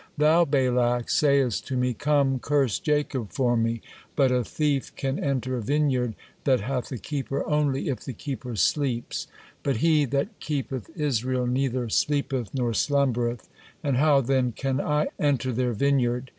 Thou, Balak, sayest to me, 'Come, curse Jacob for me,' but a thief can enter a vineyard that hath a keeper only if the keeper sleeps, but 'He that keepeth Israel neither sleepeth nor slumbereth,' and how then can I enter their vineyard?